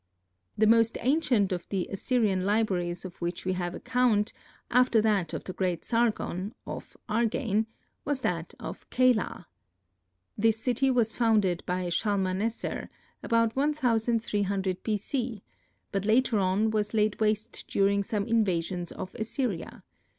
The most ancient of the Assyrian libraries of which we have account, after that of the great Sargon, of Agane, was that of Calah. This city was founded by Shalmaneser, about 1300 B. C., but later on was laid waste during some invasions of Assyria.